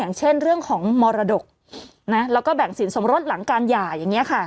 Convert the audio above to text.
อย่างเช่นเรื่องของมรดกแล้วก็แบ่งสินสมรสหลังการหย่าอย่างนี้ค่ะ